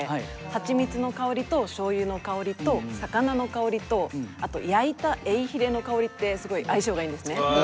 はちみつの香りとしょうゆの香りと魚の香りとあと焼いたエイヒレの香りってすごい相性がいいんですね。